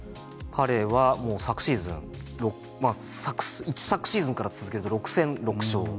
彼はもう昨シーズン一昨シーズンから含めると６戦６勝。